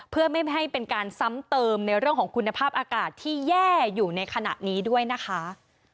เพื่อไม่ให้เป็นการซ้ำเติมในเรื่องของคุณภาพอากาศที่แย่อยู่ในขณะนี้ด้วยนะคะ